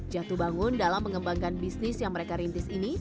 jatuh bangun dalam mengembangkan bisnis yang mereka rintis ini